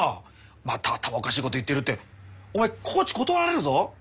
また頭おかしいこと言ってるってお前コーチ断られるぞ！